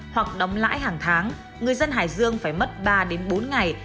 hoặc đóng lãi hàng tháng người dân hải dương phải mất ba đến bốn ngày